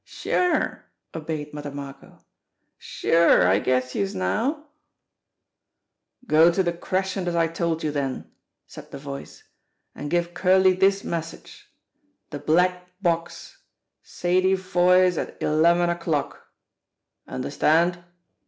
"Sure," obeyed Mother Margot. "Sure I gets youse now." A TAPPED WIRE 231 "Go to the Crescent as I told you, then," said the voice, "and give Curley this message : The black box. Sadie Foy*s at eleven o'clock. Understand?"